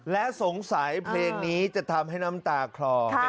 และสงสัยเพลงนี้จะทำให้น้ำตาคลอ